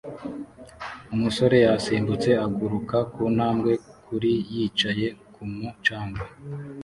Umusore yasimbutse aguruka kuntambwe kuri yicaye kumu canga